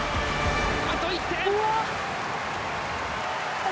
あと１点！